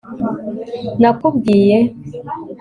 nakubwiye